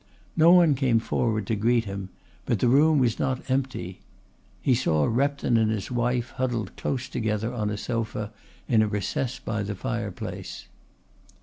No one came forward to greet him, but the room was not empty. He saw Repton and his wife huddled close together on a sofa in a recess by the fireplace.